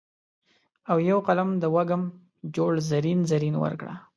او یو قلم د وږم جوړ زرین، زرین ورکړه